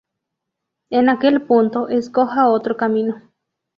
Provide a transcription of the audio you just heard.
En aquel punto, escoja otro camino.